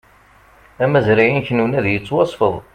Amazray-inek n unadi yettwasfed